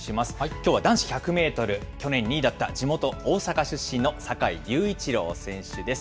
きょうは男子１００メートル、去年２位だった地元、大阪出身の坂井隆一郎選手です。